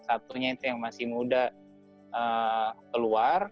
satunya itu yang masih muda keluar